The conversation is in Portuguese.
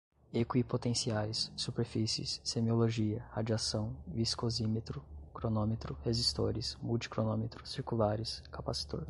equipotenciais, superfícies, semiologia, radiação, viscosímetro, cronômetro, resistores, multicronômetro, circulares, capacitor